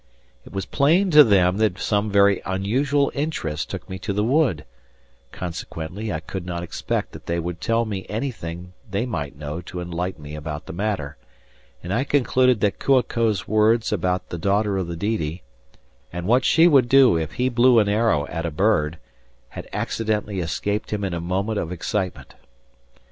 It was plain to them that some very unusual interest took me to the wood; consequently I could not expect that they would tell me anything they might know to enlighten me about the matter; and I concluded that Kua ko's words about the daughter of the Didi, and what she would do if he blew an arrow at a bird, had accidentally escaped him in a moment of excitement.